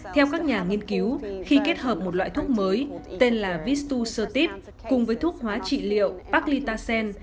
theo các nhà nghiên cứu khi kết hợp một loại thuốc mới tên là vistus sertib cùng với thuốc hóa trị liệu paglitasen